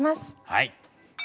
はい。